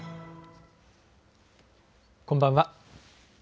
こんばんは。